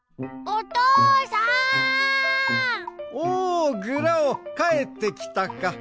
おおグラオかえってきたか。